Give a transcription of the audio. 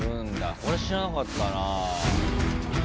これ知らなかったなあ。